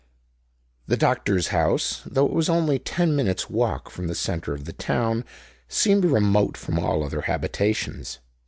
The doctor's house, though it was only a ten minutes' walk from the center of the town, seemed remote from all other habitations.